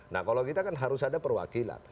nah kalau kita kan harus ada perwakilan